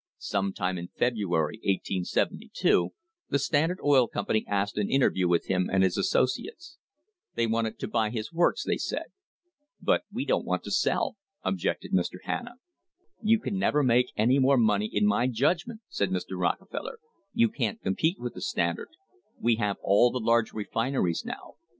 Some time in February, 1872, the Standard Oil Company asked an interview with him and his associates. They wanted to buy [661 THE RISE OF THE STANDARD OIL COMPANY his works, they said. "But we don't want to sell," objected Mr. Hanna. "You can never make any more money, in my judg ment," said Mr. Rockefeller. "You can't compete with the Standard. We have all the large refineries now.